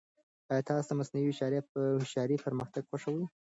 ایا تاسو د مصنوعي هوښیارۍ پرمختګ خوښوي؟